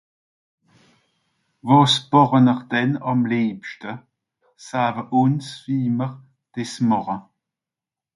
Que préférez vous faire Dites nous comment vous faites